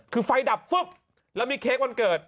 คือไฟดับฟึ๊บแล้วมีเค้กวันเกิด